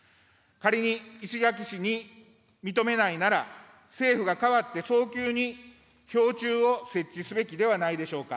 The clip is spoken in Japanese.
仮に石垣市に認めないなら、政府が代わって早急に標柱を設置すべきではないでしょうか。